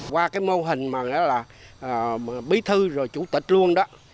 qua cái mô hình mà nó là bí thư rồi chủ tịch luôn đó